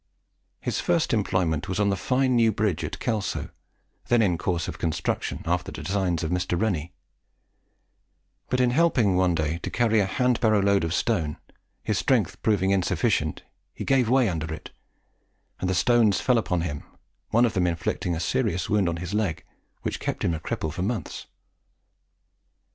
His first employment was on the fine new bridge at Kelso, then in course of construction after the designs of Mr. Rennie; but in helping one day to carry a handbarrow load of stone, his strength proving insufficient, he gave way under it, and the stones fell upon him, one of them inflicting a serious wound on his leg, which kept him a cripple for months.